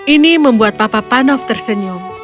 ini membuat papa panov tersenyum